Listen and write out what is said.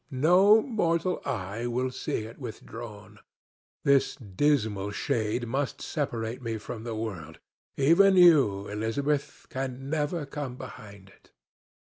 No mortal eye will see it withdrawn. This dismal shade must separate me from the world; even you, Elizabeth, can never come behind it."